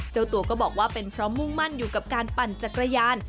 เจ้าตัวก็บอกว่าเป็นเพราะมุ่งมั่นอยู่กับการปั่นจักรยาน